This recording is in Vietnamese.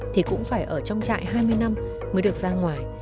thì cũng phải ở trong trại hai mươi năm mới được ra ngoài